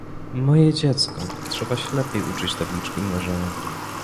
— Moje dziecko, trzeba się lepiej uczyć tabliczki mnożenia.